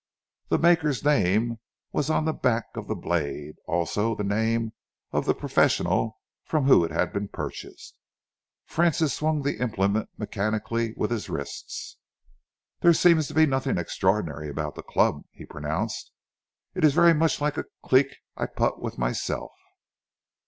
The maker's name was on the back of the blade, also the name of the professional from whom it had been purchased. Francis swung the implement mechanically with his wrists. "There seems to be nothing extraordinary about the club," he pronounced. "It is very much like a cleek I putt with myself."